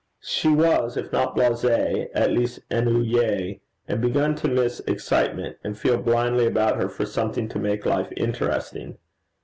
She was, if not blasée, at least ennuyée, and began to miss excitement, and feel blindly about her for something to make life interesting.